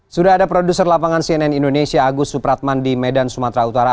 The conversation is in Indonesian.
sudah ada produser lapangan cnn indonesia agus supratman di medan sumatera utara